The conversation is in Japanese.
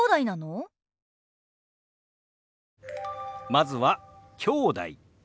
まずは「きょうだい」。